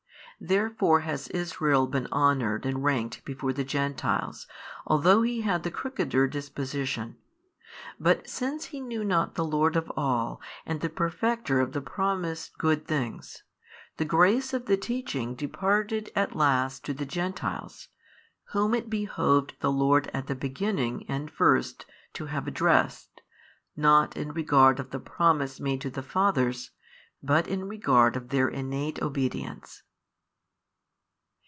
Therefore has Israel been honoured and ranked before the Gentiles, although he had the crookeder disposition. But since he knew not the Lord of all and the Perfecter of the promised good things, the grace of the teaching departed at last to the Gentiles, whom it behoved the Lord at the beginning and first to have addressed, not in regard of the promise made to the fathers, but in regard of their innate obedience.